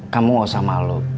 kamu gak usah malu